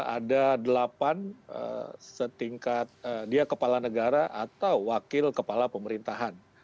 ada delapan setingkat dia kepala negara atau wakil kepala pemerintahan